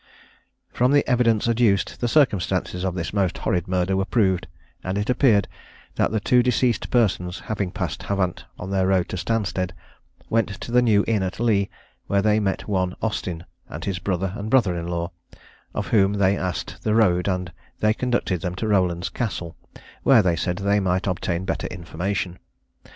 From the evidence adduced, the circumstances of this most horrid murder were proved, and it appeared that the two deceased persons having passed Havant on their road to Stanstead, went to the New Inn at Leigh, where they met one Austin, and his brother and brother in law, of whom they asked the road, and they conducted them to Rowland's Castle, where, they said, they might obtain better information.